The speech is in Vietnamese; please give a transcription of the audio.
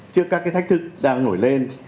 trước các thách thức đang nổi lên